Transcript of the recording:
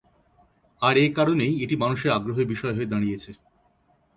আর এ কারণেই এটি মানুষের আগ্রহের বিষয় হয়ে দাঁড়িয়েছে।